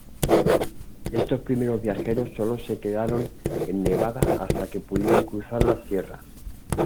Estos primeros viajeros solo se quedaron en Nevada hasta que pudieron cruzar las Sierras.